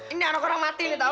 ini anak anak mati ini tahu